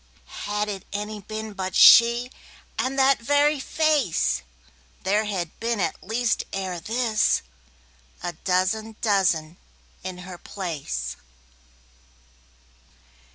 Had it any been but she, And that very face, There had been at least ere thisA dozen dozen in her place.